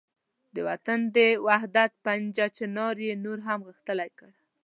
د وطن د وحدت پنجه چنار یې نور هم غښتلې کړ.